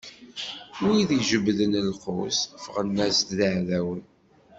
Wid ijebbden lqus ffɣen-as-d d iɛdawen.